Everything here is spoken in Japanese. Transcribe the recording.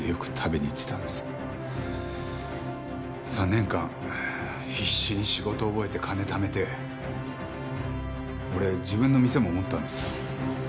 ３年間必死に仕事を覚えて金ためて俺自分の店も持ったんです。